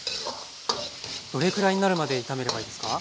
どれくらいになるまで炒めればいいですか？